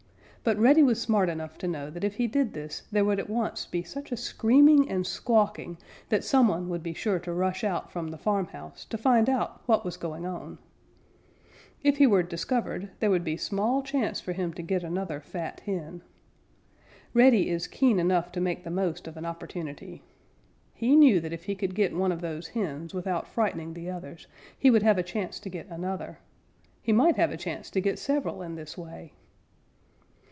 But Reddy was smart enough to know that if he did this there would at once be such a screaming and squawking that some one would be sure to rush out from the farmhouse to find out what was going on. If he were discovered, there would be small chance for him to get another fat hen. Reddy is keen enough to make the most of an opportunity. He knew that if he could get one of these hens without frightening the others, he would have a chance to get another. He might have a chance to get several in this way.